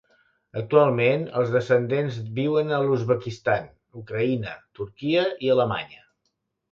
Actualment els descendents viuen a l'Uzbekistan, Ucraïna, Turquia i Alemanya.